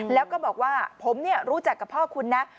แล้วก็บอกว่าผมรู้จักกับพ่อคุณนะ